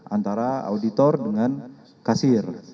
antara auditor dengan kasir